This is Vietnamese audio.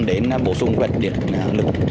để bổ sung vật điện lực